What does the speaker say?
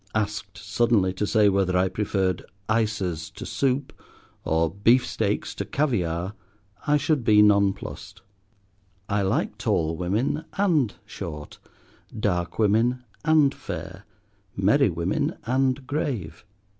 Asked suddenly to say whether I preferred ices to soup, or beefsteaks to caviare, I should be nonplussed. I like tall women and short, dark women and fair, merry women and grave.